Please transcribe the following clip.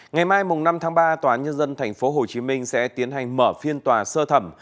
ngày mai năm tháng ba tòa nhân dân tp hcm sẽ tiến hành mở phiên tòa sơ thẩm